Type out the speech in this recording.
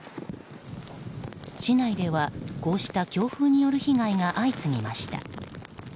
市内ではこうした強風による被害が相次ぎました。